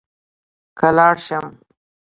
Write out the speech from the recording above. که لاړ شم.